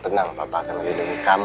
tenang papa akan nangis di pinggir kamu